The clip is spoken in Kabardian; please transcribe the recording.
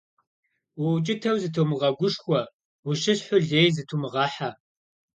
УукӀытэу зытумыгъэгушхуэ, ущысхьу лей зытумыгъэхьэ.